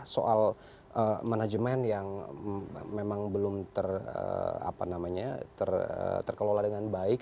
soal manajemen yang memang belum terkelola dengan baik